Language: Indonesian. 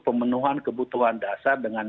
pemenuhan kebutuhan dasar dengan